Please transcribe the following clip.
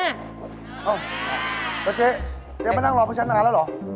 อ้าวแล้วเจ๊มานั่งรอเพื่อนฉันนานแล้วเหรอ